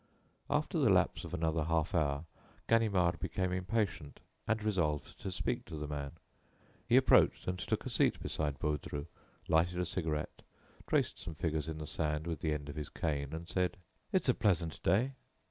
After the lapse of another half hour, Ganimard became impatient and resolved to speak to the man. He approached and took a seat beside Baudru, lighted a cigarette, traced some figures in the sand with the end of his cane, and said: "It's a pleasant day."